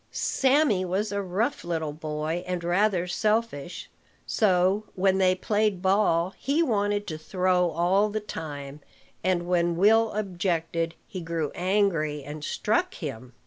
Sammy was a rough little boy and rather selfish: so, when they played ball, he wanted to throw all the time; and, when Will objected, he grew angry and struck him.